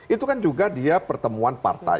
itu kan juga dia pertemuan partai